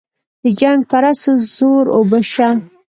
د جنګ پرستو زور اوبه شه.